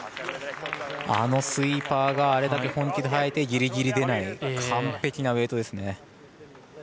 あのスイーパーがあれだけ本気ではいてギリギリ出ない完璧なウエイトですね。